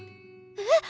えっ？